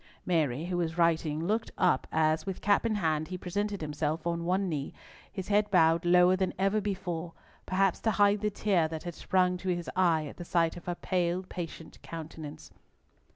Mary, who was writing, looked up as, with cap in hand, he presented himself on one knee, his head bowed lower than ever before, perhaps to hide the tear that had sprung to his eye at sight of her pale, patient countenance.